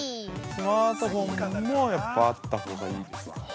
◆スマートフォンもやっぱりあったほうがいいですか。